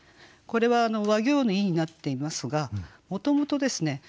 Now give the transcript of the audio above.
これはわ行の「ゐ」になっていますがもともとですね